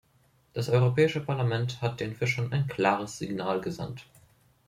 Das Europäische Parlament hat den Fischern ein klares Signal gesandt.